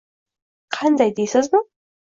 “Qanday” deysizmi?